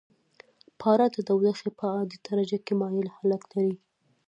پاره د تودوخې په عادي درجه کې مایع حالت لري.